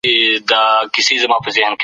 ډاکټر کمپبل د تجربې پایلې تشریح کړې.